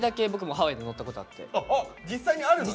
実際にあるのね。